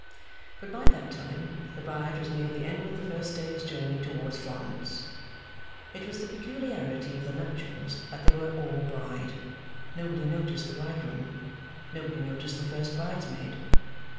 But by that time the Bride was near the end of the first day's journey towards Florence. It was the peculiarity of the nuptials that they were all Bride. Nobody noticed the Bridegroom. Nobody noticed the first Bridesmaid.